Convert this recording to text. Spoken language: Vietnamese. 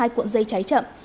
hai cuộn dây cháy chậm